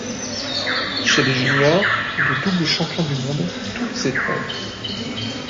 Chez les juniors, il est double champion du monde toutes épreuves.